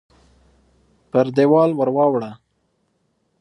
پر دېوال ورواړوه !